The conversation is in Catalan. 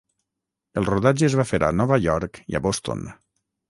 El rodatge es va fer a Nova York i a Boston.